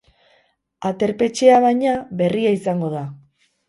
Aterpetxea, baina, berria izango da.